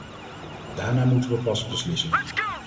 Daarna moeten we pas beslissen.